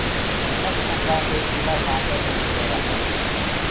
منک سنگآ دي ڦولآ ٺآڪي ٻيچدآ رهيرآ تآ۔